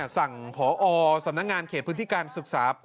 สั่งผอสำนักงานเขตพื้นธิกาลศึกษา